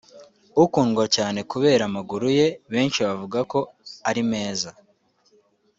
ukundwa cyane kubera amaguru ye benshi bavuga ko ari meza